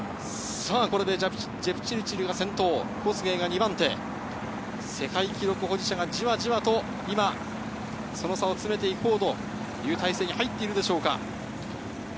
ジェプチルチルが先頭、コスゲイが２番手、世界記録保持者がじわじわとその差を詰めていこうという体勢に入っているでしょうか。